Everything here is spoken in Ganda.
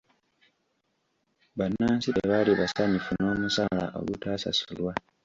Bannansi tebaali basanyufu n'omusaala ogutaasasulwa.